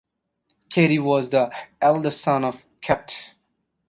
Cary was the eldest son of Capt.